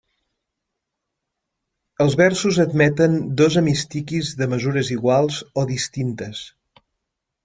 Els versos admeten dos hemistiquis de mesures iguals o distintes.